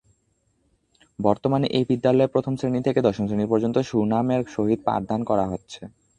বর্তমান এই বিদ্যালয়ে প্রথম শ্রেনী থেকে দশম শ্রেনী পর্যন্ত সুনামের সহিত পাঠদান করে হচ্ছে।